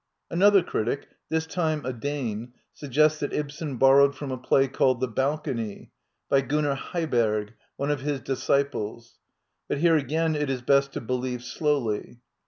' Another critic, this time a Dane,* suggests that Ibsen borrowed from a play called " The Balcony," by Gunnar Heiberg,* one of his disciples; but here again it is best to believe slowly.